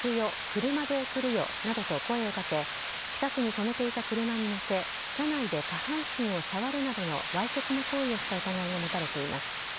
車で送るよなどと声をかけ近くに止めていた車に乗せ車内で下半身を触るなどのわいせつな行為をした疑いが持たれています。